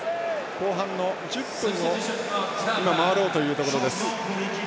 後半の１０分を今、回ろうというところです。